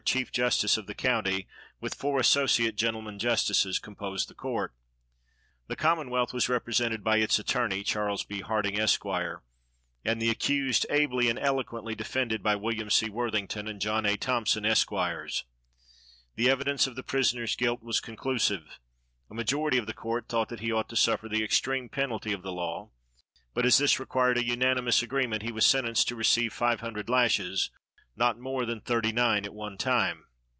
chief justice of the county, with four associate gentlemen justices, composed the court. The commonwealth was represented by its attorney, Charles B. Harding, Esq., and the accused ably and eloquently defended by Wm. C. Worthington and John A. Thompson, Esqs. The evidence of the prisoner's guilt was conclusive. A majority of the court thought that he ought to suffer the extreme penalty of the law; but, as this required a unanimous agreement, he was sentenced to receive five hundred lashes, not more than thirty nine at one time.